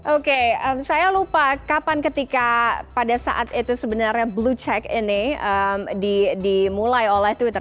oke saya lupa kapan ketika pada saat itu sebenarnya blue check ini dimulai oleh twitter